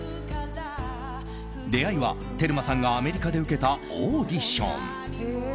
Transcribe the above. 出会いは、テルマさんがアメリカで受けたオーディション。